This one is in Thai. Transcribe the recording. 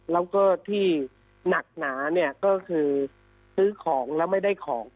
แล้วก็ที่หนักหนาเนี่ยก็คือซื้อของแล้วไม่ได้ของ